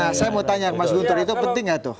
nah saya mau tanya mas gunter itu penting ya tuh